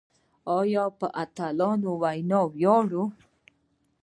آیا په اتلانو ویاړو؟